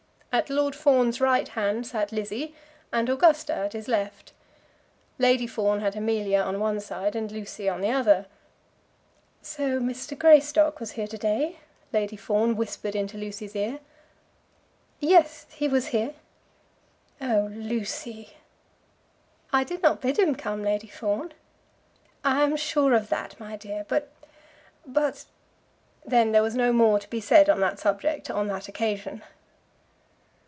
At Lord Fawn's right hand sat Lizzie, and Augusta at his left. Lady Fawn had Amelia on one side and Lucy on the other. "So Mr. Greystock was here to day," Lady Fawn whispered into Lucy's ear. "Yes; he was here." "Oh, Lucy!" "I did not bid him come, Lady Fawn." "I am sure of that, my dear; but but " Then there was no more to be said on that subject on that occasion.